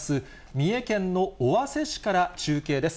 三重県の尾鷲市から中継です。